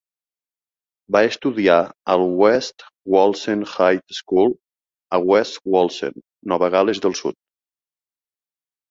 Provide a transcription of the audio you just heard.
Va estudiar al West Wallsend High School a West Wallsend, Nova Gal·les del Sud.